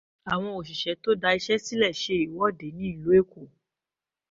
àwọn òṣìṣẹ́ tó da iṣẹ́ sílẹ̀ ṣe ìwọ́de ní ní ìlú Èkó.